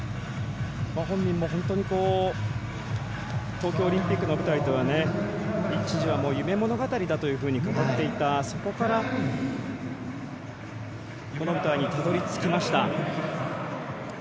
本人も本当に東京オリンピックの舞台は一時は夢物語だと語っていたそこからこの舞台にたどりつきました。